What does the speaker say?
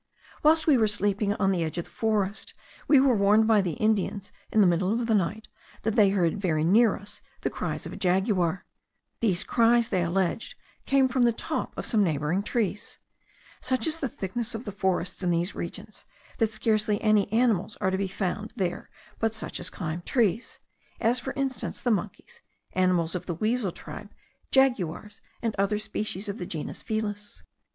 Whilst we were sleeping on the edge of the forest, we were warned by the Indians, in the middle of the night, that they heard very near us the cries of a jaguar. These cries, they alleged, came from the top of some neighbouring trees. Such is the thickness of the forests in these regions, that scarcely any animals are to be found there but such as climb trees; as, for instance, the monkeys, animals of the weasel tribe, jaguars, and other species of the genus Felis.